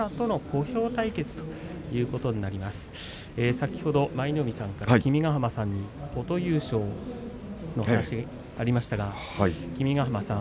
先ほど舞の海さんから君ヶ濱さんに、琴裕将の話ありましたが君ヶ濱さん